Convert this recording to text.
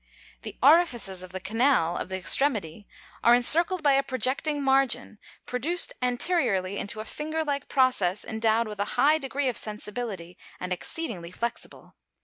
The orifices of the canals of the extremity are encircled by a projecting margin, produced anteriorly into a finger like process endowed with a high degree of sensibility and exceedingly flexible.